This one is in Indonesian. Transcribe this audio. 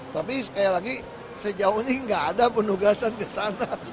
tapi sekali lagi sejauh ini nggak ada penugasan ke sana